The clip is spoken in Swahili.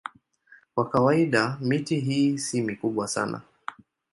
Kwa kawaida miti hii si mikubwa sana.